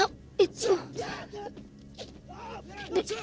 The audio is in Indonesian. kamu mungkin tidak sedang melakukan jajatan